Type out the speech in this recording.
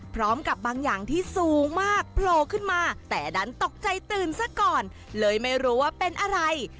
พร้อมกับบางอย่างที่สูงมากโผล่ขึ้นมาแต่ดันตกใจตื่นซะก่อนเลยไม่รู้ว่าเป็นอะไร